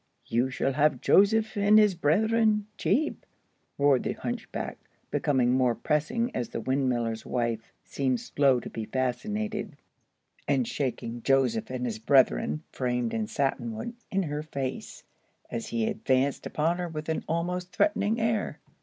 "You shall have 'Joseph and his Bretheren' cheap," roared the hunchback, becoming more pressing as the windmiller's wife seemed slow to be fascinated, and shaking "Joseph and his Brethren," framed in satin wood, in her face, as he advanced upon her with an almost threatening air.